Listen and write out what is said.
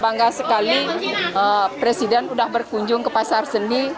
bangga sekali presiden sudah berkunjung ke pasar seni